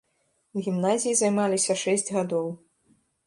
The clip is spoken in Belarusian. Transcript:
У гімназіі займаліся шэсць гадоў.